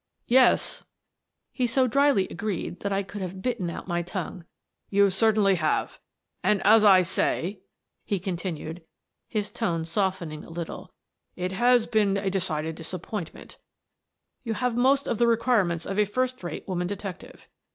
"Yes," he so dryly agreed that I could have bitten out my tongue, " you certainly have. And, as I say," he continued, his tone softening a little, " it has been a decided disappointment You have most of the requirements of a first rate woman detective.